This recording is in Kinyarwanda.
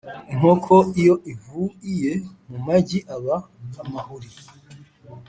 Inkoko iyo ivuiye mu magi aba amahuri